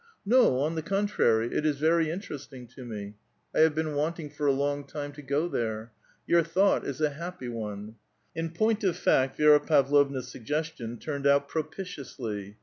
" No, on the contrary, it is very interesting to me ; I have been wanting, for a long time, to go there. Your thought is a happy one." In point of fact, Vidra Pavlovna*s sutrgestion turned out propitiously.